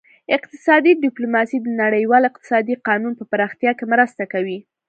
اقتصادي ډیپلوماسي د نړیوال اقتصادي قانون په پراختیا کې مرسته کوي